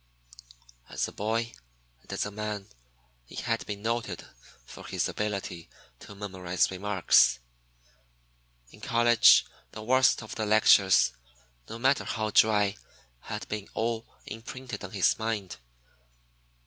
As a boy and as a man, he had been noted for his ability to memorize remarks. In college the worst of the lectures, no matter how dry, had been all imprinted on his mind.